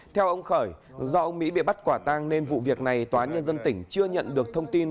theo ông khởi do ông mỹ bị bắt quả tang nên vụ việc này tòa án nhân dân tỉnh chưa nhận được thông tin